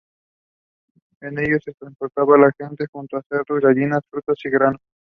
En ellos se transportaba la gente, junto a cerdos, gallinas, frutas y granos.